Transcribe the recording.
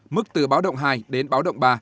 mức từ báo động hai đến báo động ba